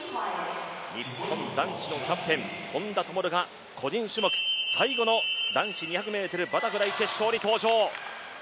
日本男子のキャプテン本多灯が個人種目最後の男子２００ｍバタフライ決勝に登場。